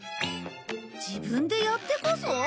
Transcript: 自分でやってこそ？